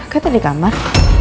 kata di kamar